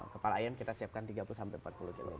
kepala ayam kita siapkan tiga puluh sampai empat puluh kg